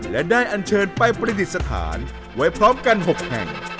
และได้อันเชิญไปประดิษฐานไว้พร้อมกัน๖แห่ง